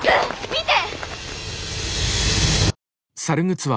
見て！